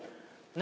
何？